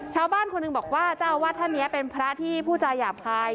ชาวบ้านคนนึงบอกว่าชาวบ้านท่านเนี่ยเป็นพระที่ผู้จาหยาบคาย